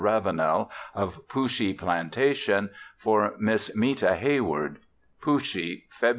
RAVENEL OF POOSHEE PLANTATION FOR MISS META HEYWARD Pooshee, Feb.